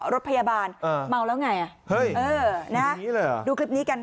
รถพยาบาลเมาแล้วไงอ่ะเฮ้ยเออนะดูคลิปนี้กัน